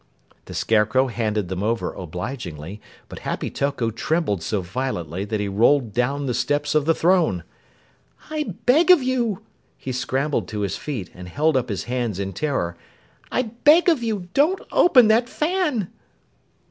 The Scarecrow handed them over obligingly, but Happy Toko trembled so violently that he rolled down the steps of the throne. "I beg of you!" He scrambled to his feet and held up his hands in terror. "I beg of you, don't open that fan!"